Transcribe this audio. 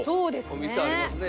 お店ありますね